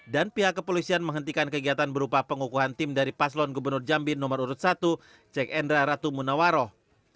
dan pihak kepolisian menghentikan kegiatan berupa pengukuhan tim dari paslon gubernur jambin no satu cek endra ratu munawaroh